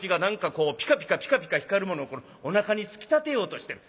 こうピカピカピカピカ光るものをおなかに突き立てようとしている。